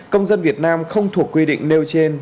công dân việt nam không thuộc quy định nêu trên